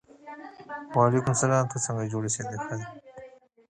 Meanwhile the extension works continued.